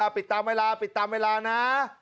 ปิดตามเวลาปิดตามเวลานะ